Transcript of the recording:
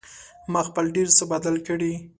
ما خپل ډېر څه بدل کړي